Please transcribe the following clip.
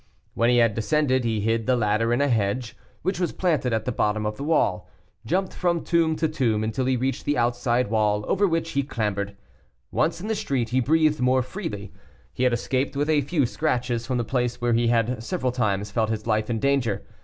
When he had descended, he hid the ladder in a hedge, which was planted at the bottom of the wall, jumped from tomb to tomb, until he reached the outside wall over which he clambered. Once in the street he breathed more freely; he had escaped with a few scratches from the place where he had several times felt his life in danger.